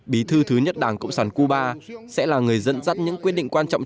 bí thư thứ nhất đảng cộng sản cuba sẽ là người dẫn dắt những quyết định quan trọng